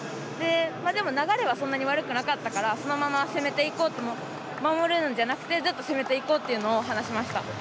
でも、流れはそんなに悪くなかったからそのまま攻めていこうと守るんじゃなくて攻めていこうと話しました。